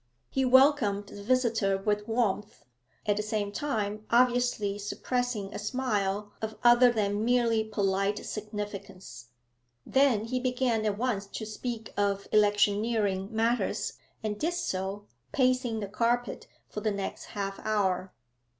He welcomed the visitor with warmth, at the same time obviously suppressing a smile of other than merely polite significance: then he began at once to speak of electioneering matters, and did so, pacing the carpet, for the next half hour.